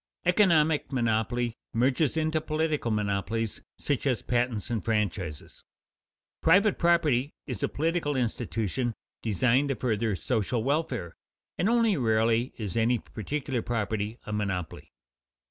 Economic monopoly merges into political monopolies, such as patents and franchises. Private property is a political institution designed to further social welfare, and only rarely is any particular property a monopoly.